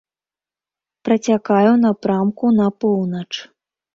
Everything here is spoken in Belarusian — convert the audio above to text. Працякае ў напрамку на поўнач.